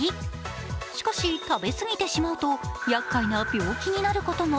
しかし、食べ過ぎてしまうと、やっかいな病気になることも。